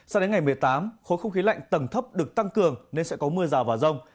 sao đến ngày một mươi tám khối không khí lạnh tầng thấp được tăng cường nên sẽ có mưa rào và rông